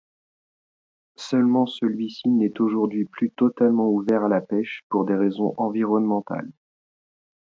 Seulement celui-ci n'est aujourd'hui plus totalement ouvert à la pêche pour des raisons environnementales.